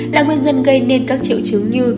là nguyên dân gây nên các triệu chứng như